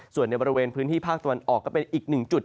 ส่วนในบริเวณพื้นที่ภาคตะวันออกก็เป็นอีกหนึ่งจุด